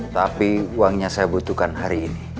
tapi uangnya saya butuhkan hari ini